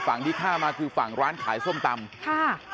ฝั่งที่ข้ามาคือฝั่งร้านขายส้มตำ